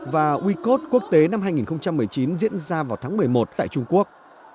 và wecode quốc tế năm hai nghìn một mươi chín diễn ra vào tháng một mươi một tại trung quốc